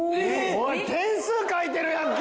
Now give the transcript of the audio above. おい点数書いてるやんけ！